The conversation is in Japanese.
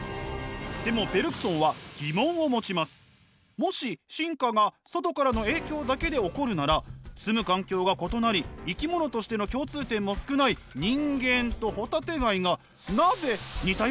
もし進化が外からの影響だけで起こるなら住む環境が異なり生き物としての共通点も少ない人間とホタテガイがなぜ似たような目を持っているのか。